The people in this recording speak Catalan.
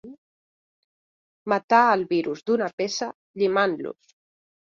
Matar els vius d'una peça llimant-los.